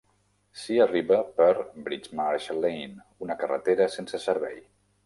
S'hi arriba per Bridgemarsh Lane, una carretera sense servei.